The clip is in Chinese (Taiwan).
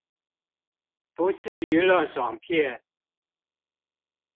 不是娛樂爽片